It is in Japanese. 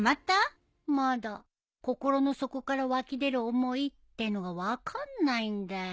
心の底から湧き出る思いってのが分かんないんだよ。